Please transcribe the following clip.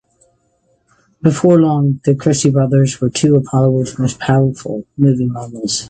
Before long, the Christie brothers were two of Hollywood's most powerful movie moguls.